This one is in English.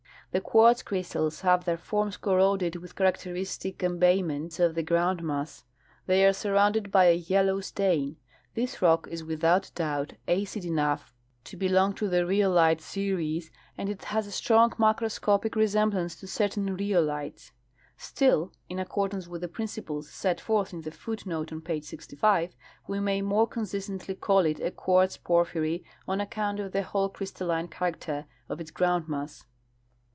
The quartz crystals have their forms corroded with characteristic embayments of the groundmass. They are sur rounded by a 3^ellow stain. This rock is without doubt acid enough to belong to the rhyolite series, and it has a strong macro scopic resemblance to certain rhyolites; still, in accordance with the principles set forth in the foot note on page 65, we may more consistently call it a quartz porphyry on account of the holo crystalline character of its groundmass.